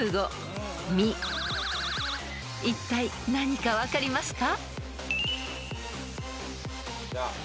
［いったい何か分かりますか？］